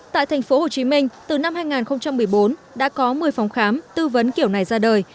tại thành phố hồ chí minh từ năm hai nghìn một mươi bốn đã có một mươi phòng khám tư vấn kiểu này ra đời